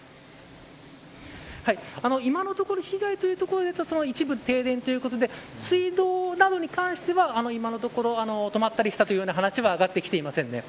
今のところ被害というところで言うと一部停電ということで水道などに関しては、今のところ止まったりしたというような話は上がってきていません。